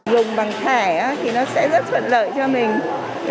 dùng bằng thẻ thì nó sẽ rất thuận lợi cho mình